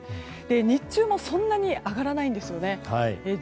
日中もそんなに上がらないんですよね。